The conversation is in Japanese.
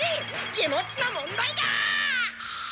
気持ちの問題だ！